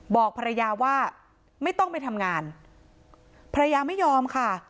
บอกภรรยาว่าไม่ต้องไปทำงานภรรยาไม่ยอมค่ะ